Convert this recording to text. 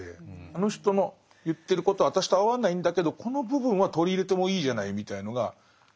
あの人の言ってること私と合わないんだけどこの部分は取り入れてもいいじゃないみたいのがないと。